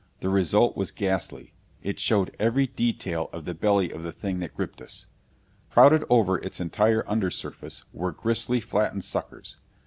The result was ghastly. It showed every detail of the belly of the thing that gripped us. Crowded over its entire under surface were gristly, flattened suckers.